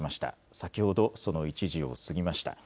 先ほどその１時を過ぎました。